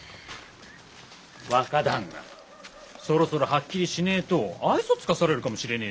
若旦那そろそろはっきりしねえと愛想つかされるかもしれねえでげすよ？